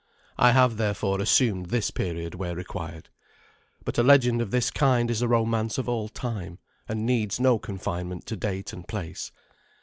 I have, therefore, assumed this period where required. But a legend of this kind is a romance of all time, and needs no confinement to date and place.